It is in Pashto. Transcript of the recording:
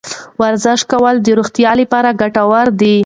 ورزش کول د روغتیا لپاره ډېر ګټور دی.